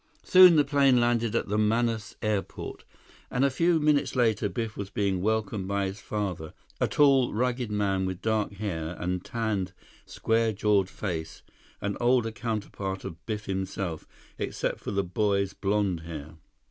Soon, the plane landed at the Manaus airport, and a few minutes later, Biff was being welcomed by his father, a tall, rugged man with dark hair and tanned, square jawed face, an older counterpart of Biff himself, except for the boy's blond hair.